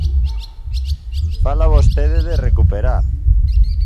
Fala vostede de recuperar.